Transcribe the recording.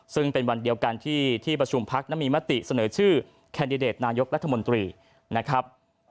ซึ่งเป็นวันเดียวกันที่ที่ประชุมพักนั้นมีมติเสนอชื่อแคนดิเดตนายกรัฐมนตรีนะครับ